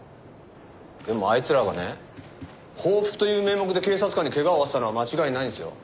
でもあいつらがね報復という名目で警察官に怪我を負わせたのは間違いないんですよ。